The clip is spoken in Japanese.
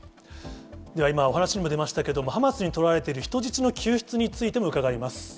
では今、お話にも出ましたけども、ハマスに捕らえられている人質の救出についても伺います。